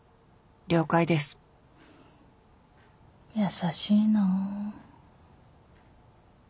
優しいなあ。